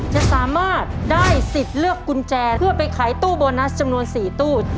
จะสามารถได้สิทธิ์เลือกกุญแจเพื่อไปขายตู้โบนัสจำนวน๔ตู้